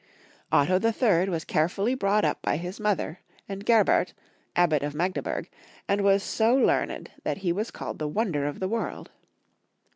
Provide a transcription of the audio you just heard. Otto III. was carefully brought up by his mother, and Gerbert, Abbot of Magdeburg, and was so learned that he was called the Wonder of the World.